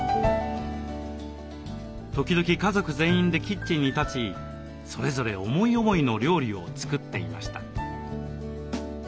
時々家族全員でキッチンに立ちそれぞれ思い思いの料理を作っていました。